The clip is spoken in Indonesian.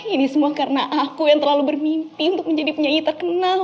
ini semua karena aku yang terlalu bermimpi untuk menjadi penyanyi terkenal